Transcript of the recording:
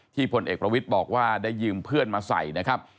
พลเอกประวิทย์บอกว่าได้ยืมเพื่อนมาใส่นะครับ